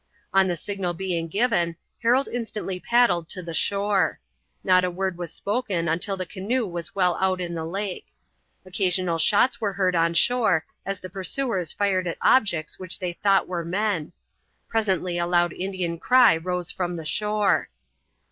On the signal being given, Harold instantly paddled to the shore. Not a word was spoken until the canoe was well out in the lake. Occasional shots were heard on shore as the pursuers fired at objects which they thought were men. Presently a loud Indian cry rose from the shore.